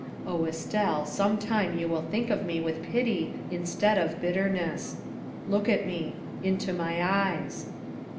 Oh Estelle, some time you will think of me with pity instead of bitterness. Look at me into my eyes."